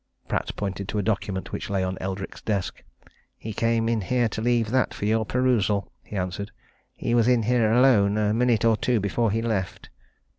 Pratt pointed to a document which lay on Eldrick's desk. "He came in here to leave that for your perusal," he answered. "He was in here alone a minute or two before he left."